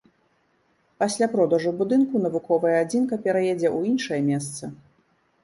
Пасля продажу будынку навуковая адзінка пераедзе ў іншае месца.